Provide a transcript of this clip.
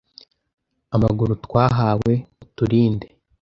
amaguru twahawe, uturinde